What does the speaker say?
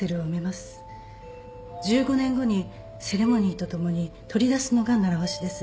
１５年後にセレモニーとともに取り出すのが習わしです。